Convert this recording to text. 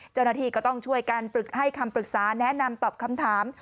เจ้าหน้าที่ก็ต้องช่วยกันปรึกให้คำปรึกษาแนะนำตอบคำถาม